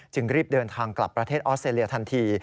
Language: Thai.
รีบเดินทางกลับประเทศออสเตรเลียทันที